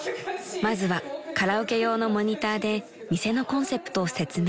［まずはカラオケ用のモニターで店のコンセプトを説明］